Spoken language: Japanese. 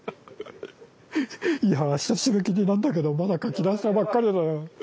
いや明日締め切りなんだけどまだ書き出したばっかりだよ。